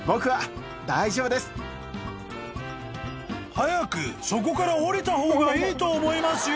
［早くそこからおりた方がいいと思いますよ］